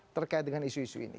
terkait dengan isu isu ini